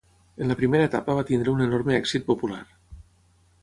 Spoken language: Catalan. En la primera etapa va tenir un enorme èxit popular.